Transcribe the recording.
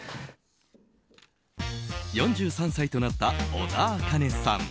４３歳となった小田茜さん。